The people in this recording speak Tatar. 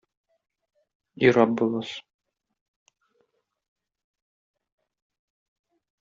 И Раббыбыз!